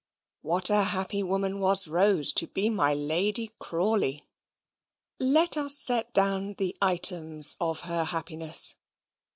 What a happy woman was Rose to be my Lady Crawley! Let us set down the items of her happiness.